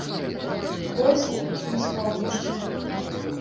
Горскі не спаў яшчэ.